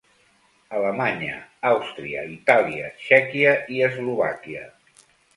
Alemanya, Àustria, Itàlia, Txèquia i Eslovàquia.